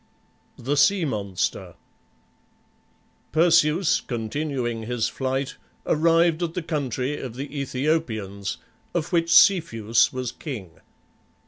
THE SEA MONSTER Perseus, continuing his flight, arrived at the country of the Aethiopians, of which Cepheus was king.